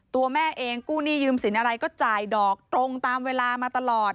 ตัวแม่เองกู้หนี้ยืมสินอะไรก็จ่ายดอกตรงตามเวลามาตลอด